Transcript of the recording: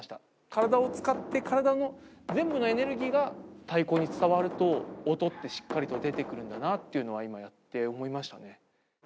体を使って、体の全部のエネルギーが太鼓に伝わると、音ってしっかりと出てくるんだなっていうのは、今、やって思いましたね。